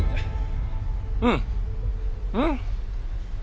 うんうん？